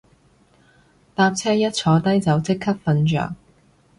搭車一坐低就即刻瞓着